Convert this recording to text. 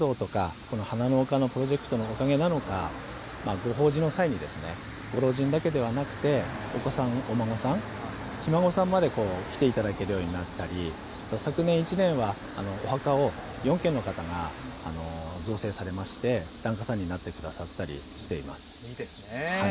ですけど、そういった寺子屋活動とか、花の丘のプロジェクトのおかげなのか、ご法事の際に、ご老人だけではなくて、お子さん、お孫さん、ひ孫さんまで来ていただけるようになったり、昨年１年はお墓を４軒の方が造成されまして、檀家さんになってくださったりしいいですね。